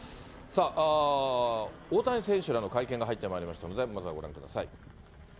大谷選手らの会見が入ってまいりましたので、まずはご覧ください。